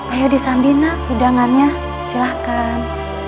ayo disambinah hidangannya silahkan